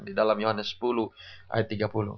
di dalam yohannes sepuluh ayat tiga puluh